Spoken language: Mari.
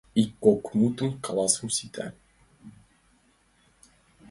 Ик-кок мутым каласыш — сита.